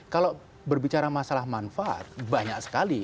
kalau berbicara masalah manfaat banyak sekali